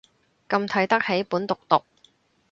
咁睇得起本毒毒